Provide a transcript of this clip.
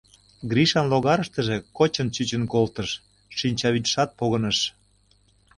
Гришын логарыштыже кочын чучын колтыш, шинчавӱдшат погыныш...